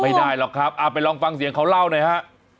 ไม่ได้หรอกครับไปลองฟังเสียงเขาเล่าหน่อยฮะ